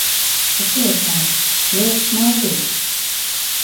Patiešām, liek smaidīt!